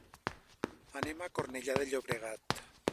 Anem a Cornellà de Llobregat.